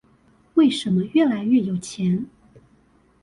為什麼越來越有錢？